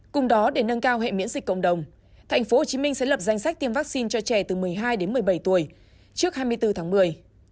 cùng đó để nâng cao hệ miễn dịch cộng đồng tp hcm sẽ lập danh sách tiêm vaccine cho trẻ từ một mươi hai đến một mươi bảy tuổi trước hai mươi bốn tháng một mươi